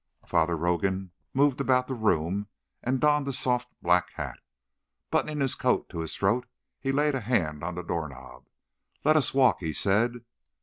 Father Rogan moved about the room, and donned a soft black hat. Buttoning his coat to his throat, he laid his hand on the doorknob. "Let us walk," he said.